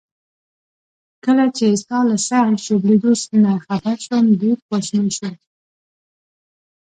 کله چي ستا له سخت ژوبلېدو نه خبر شوم، ډیر خواشینی شوم.